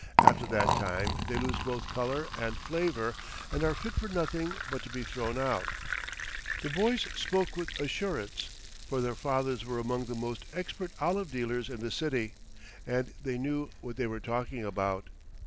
After that time they lose both color and flavor and are fit for nothing but to be thrown out." The boys spoke with assurance, for their fathers were among the most expert olive dealers in the city, and they knew what they were talking about.